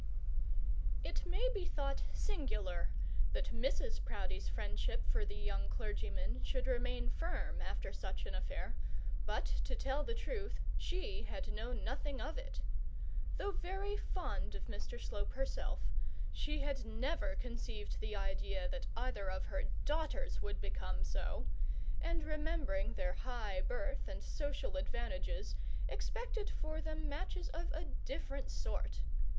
It may be thought singular that Mrs Proudie's friendship for the young clergyman should remain firm after such an affair; but, to tell the truth, she had known nothing of it. Though very fond of Mr Slope herself, she had never conceived the idea that either of her daughters would become so, and remembering that their high birth and social advantages, expected for them matches of a different sort.